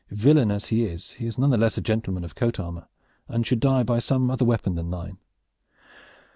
"Villain as he is, he is none the less a gentleman of coat armor, and should die by some other weapon than thine."